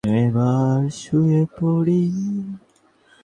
কেবল সেই আনন্দময়ী জগন্মাতার মুখ তাহাতে প্রতিবিম্বিত হইতেছে।